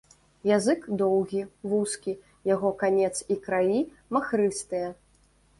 Язык доўгі, вузкі, яго канец і краі махрыстыя.